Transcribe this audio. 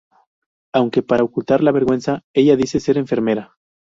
Aunque para ocultar la vergüenza, ella dice ser enfermera.